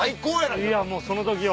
いやもうその時は。